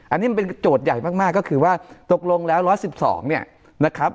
อันนี้มันเป็นโจทย์ใหญ่มากก็คือว่าตกลงแล้ว๑๑๒เนี่ยนะครับ